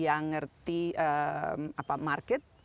yang mengerti market